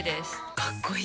かっこいい！